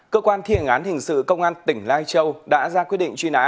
cơ quan thi hành án hình sự công an tỉnh lai châu đã ra quyết định truy nã